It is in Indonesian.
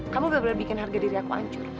kamu bener bener bikin harga diri aku hancur